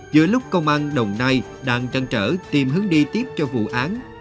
giữa lúc công an đồng nai đang chăn trở tìm hướng đi tiếp cho vụ án